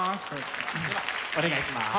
ではお願いします。